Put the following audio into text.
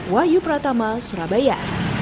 wahyu pratama surabaya